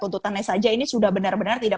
tuntutannya saja ini sudah benar benar tidak